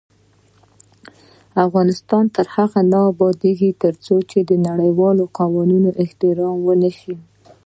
افغانستان تر هغو نه ابادیږي، ترڅو د نړیوالو قوانینو احترام ونشي.